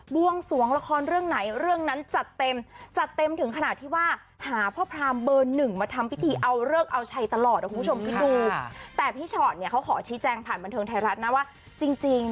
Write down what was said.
บ้วงสวงละครเรื่องไหนเรื่องนั้นจัดเต็มจัดเต็มถึงขนาดที่ว่าหาพ่อพรามเบอร์หนึ่งมาทำพิธีเอาเลิกเอาใช้ตลอดอะคุณผู้ชมคิดดู